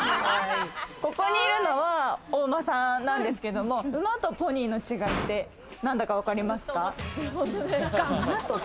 ここにいるのはお馬さんなんですけども、馬とポニーの違いってなんだかわかりますか？